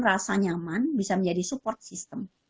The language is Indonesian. rasa nyaman bisa menjadi support system